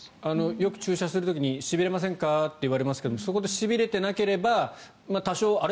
よく注射する時にしびれませんか？と言われますがそこでしびれていなければ多少、あれ？